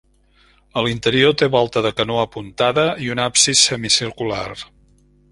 A l'interior té volta de canó apuntada i un absis semicircular.